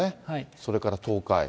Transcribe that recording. それから東海。